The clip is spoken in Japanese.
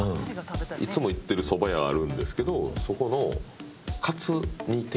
いつも行ってるそば屋あるんですけどそこのかつ煮定食。